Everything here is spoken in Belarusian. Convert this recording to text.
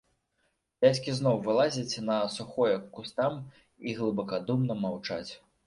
Дзядзькі зноў вылазяць на сухое к кустам і глыбакадумна маўчаць.